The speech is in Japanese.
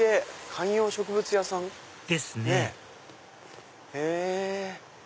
観葉植物屋さん？ですねへぇ。